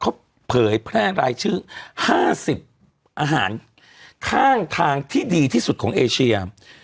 เขาเผยแพร่รายชื่อ๕๐อาหารข้างทางที่ดีที่สุดของเอเชีย